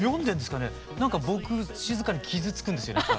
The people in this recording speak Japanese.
何か僕静かに傷つくんですよね。